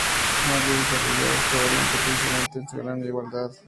Nadie ha desarrollado esta variante precisamente por su gran igualdad.